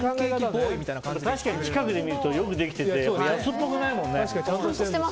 近くで見るとよくできてて安っぽくないもんね。